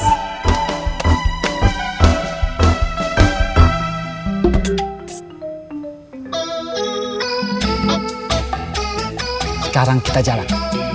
hai sekarang kita jalan